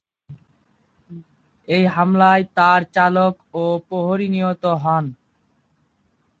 এই হামলায় তার চালক ও প্রহরী নিহত হন।